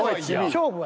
勝負は？